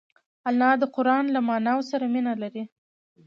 انا د قران له معناوو سره مینه لري